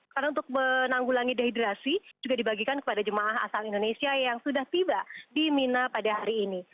karena untuk menanggulangi dehidrasi juga dibagikan kepada jemaah asal indonesia yang sudah tiba di mina pada hari ini